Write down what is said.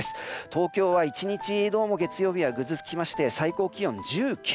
東京は１日月曜日はぐずついて最高気温１９度。